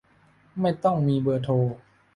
ไม่ต้องมีเบอร์โทร